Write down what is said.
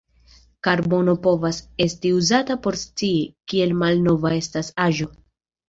Karbono povas esti uzata por scii, kiel malnova estas aĵo.